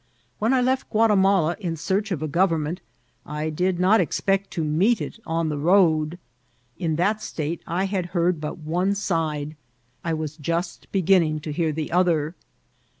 When I left Gua timala in search of a government, I did not expect to meet it on the road. In that state I had heard but one side ; I was just beginning to hear the other.